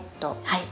はい。